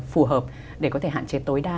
phù hợp để có thể hạn chế tối đa